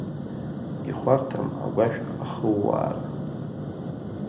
Ихәарҭам агәашә ахыууаара.